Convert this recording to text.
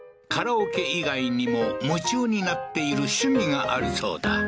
カラオケ以外にも夢中になっている趣味があるそうだ何？